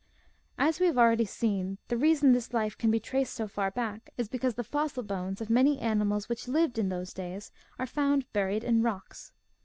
As we have already seen, the reason this life can be traced so far back is because the fossil bones of many animals which lived in those days are found buried in rocks.